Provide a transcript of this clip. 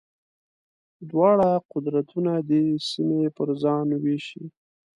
دواړه قدرتونه دې سیمې پر ځان وېشي.